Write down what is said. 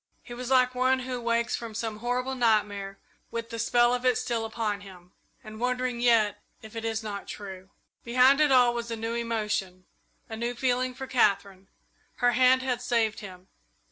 He was like one who wakes from some horrible nightmare with the spell of it still upon him, and wondering yet if it is not true. Behind it all was a new emotion, a new feeling for Katherine. Her hand had saved him.